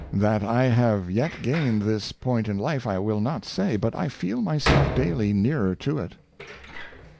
That I have yet gained this point in life I will not say, but I feel myself daily nearer to it."